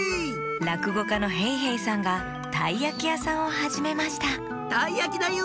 らくごかのへいへいさんがたいやきやさんをはじめましたたいやきだよ！